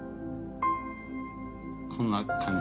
こんな感じ？